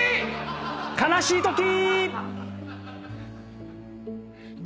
悲しいとき！